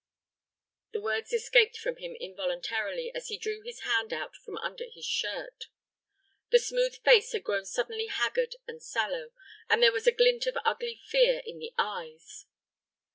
The words escaped from him involuntarily as he drew his hand out from under his shirt. The smooth face had grown suddenly haggard and sallow, and there was a glint of ugly fear in the eyes.